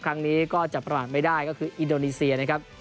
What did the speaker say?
ครั้งนี้ก็จะประมาทไม่ได้ก็คืออินโดนีเซียนะครับ